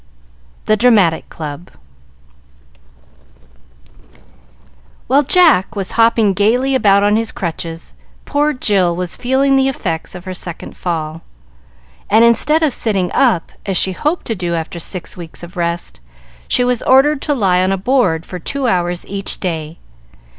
The Dramatic Club While Jack was hopping gayly about on his crutches, poor Jill was feeling the effects of her second fall, and instead of sitting up, as she hoped to do after six weeks of rest, she was ordered to lie on a board for two hours each day.